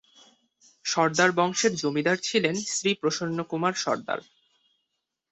সর্দার বংশের জমিদার ছিলেন শ্রী প্রসন্ন কুমার সর্দার।